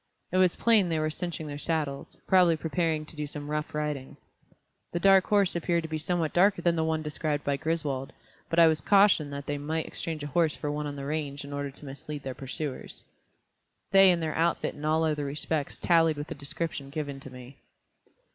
It was plain they were cinching their saddles, probably preparing to do some rough riding. The dark horse appeared to be somewhat darker than the one described by Griswold, but I was cautioned that they might exchange a horse for one on the range in order to mislead their pursuers. They and their outfit in all other respects tallied with the description given to me.